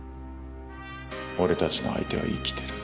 俺たちの相手は生きてる。